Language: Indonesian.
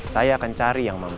saya akan cari yang mampu